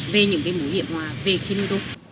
về những mối hiểm hoà về khi nuôi tôm